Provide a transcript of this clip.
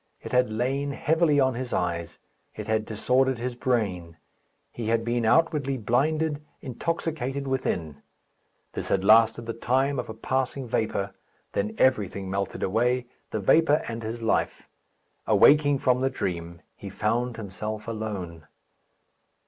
It had lain heavily on his eyes; it had disordered his brain. He had been outwardly blinded, intoxicated within. This had lasted the time of a passing vapour. Then everything melted away, the vapour and his life. Awaking from the dream, he found himself alone.